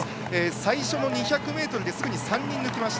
最初の２００ｍですぐに３人抜きました。